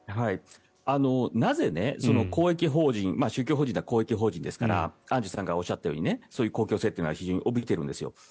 なぜ、公益法人宗教法人は公益法人ですからアンジュさんがおっしゃったようにそういう公共性というのは非常に帯びているんですよ。